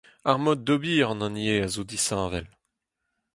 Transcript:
Ar mod d'ober an hini eo a zo disheñvel.